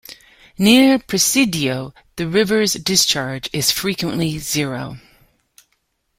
Near Presidio, the river's discharge is frequently zero.